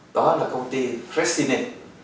đó là công ty crescine